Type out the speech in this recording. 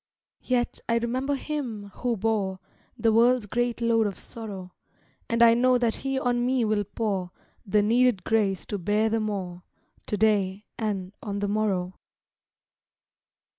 Yet I remember Him who bore The world's great load of sorrow, And know that He on me will pour The needed grace to bear the more, To day and on the morrow.